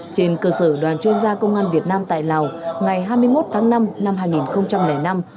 trên cơ sở đoàn chuyên gia công an việt nam tại lào ngày hai mươi một tháng năm năm hai nghìn năm